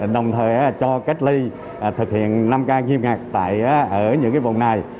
đồng thời cho cách ly thực hiện năm ca nghiêm ngặt ở những vùng này